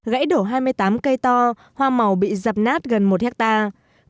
gãy đổ hai mươi tám cây to hoa màu bị dập nát gần một hectare